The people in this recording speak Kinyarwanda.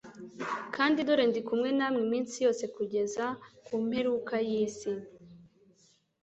kandi dore ndi kumwe namwe iminsi yose kugeza ku mperuka y'isi.»